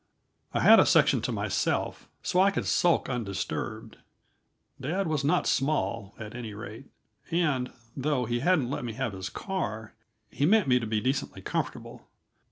I had a section to myself, so I could sulk undisturbed; dad was not small, at any rate, and, though he hadn't let me have his car, he meant me to be decently comfortable.